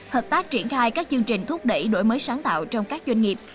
hợp tác triển khai các chương trình thúc đẩy đổi mới sáng tạo trong các doanh nghiệp